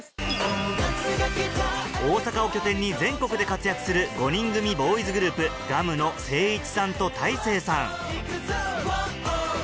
大阪を拠点に全国で活躍する５人組ボーイズグループＧ．Ｕ．ＭのＳＥＩＩＣＨＩさんとＴＡＩＳＥＩさん